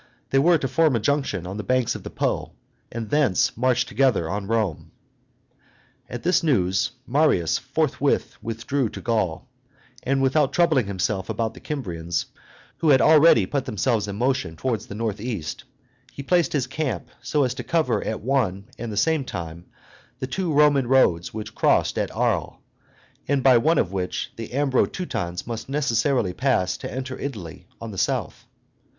They were to form a junction on the banks of the Po, and thence march together on Rome. At this news Marius returned forthwith to Gaul, and, without troubling himself about the Kymrians, who had really put themselves in motion towards the north east, he placed his camp so as to cover at one and the same time the two Roman roads which crossed at Arles, and by one of which the Ambro Teutons must necessarily pass to enter Italy on the south.